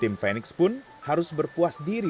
tim fenix pun harus berpuas diri